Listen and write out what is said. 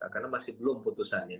karena masih belum putusannya